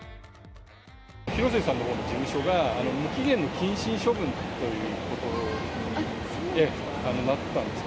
広末さんの事務所が、無期限の謹慎処分ということなんですが。